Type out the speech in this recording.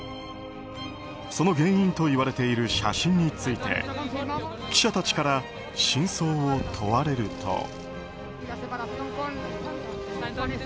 その原因と言われている写真について記者たちから真相を問われると。